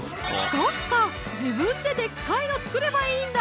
そっか自分ででっかいの作ればいいんだ！